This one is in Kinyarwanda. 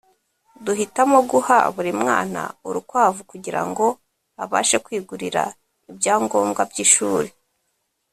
duhitamo guha buri mwana urukwavu kugira ngo abashe kwigurira ibyangombwa by’ishuri